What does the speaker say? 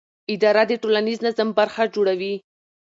اداره د ټولنیز نظم برخه جوړوي.